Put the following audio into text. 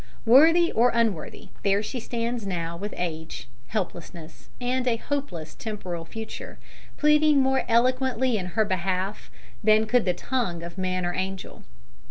Worthy or unworthy, there she stands now, with age, helplessness, and a hopeless temporal future, pleading more eloquently in her behalf than could the tongue of man or angel.